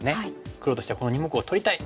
黒としてはこの２目を取りたい！